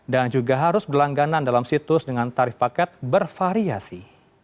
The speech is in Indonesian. dan juga harus berlangganan dalam situs dengan tarif paket bervariasi